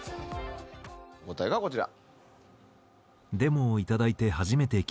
答えがこちら。